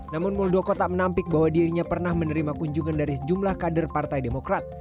namun muldoko tak menampik bahwa dirinya pernah menerima kunjungan dari sejumlah kader partai demokrat